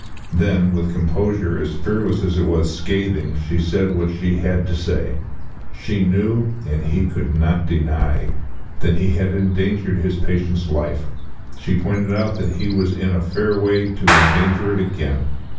Then with a composure as fearless as it was scathing she said what she had to say. She knew and he could not deny that he had endangered his patient's life. She pointed out that he was in a fair way to endanger it again.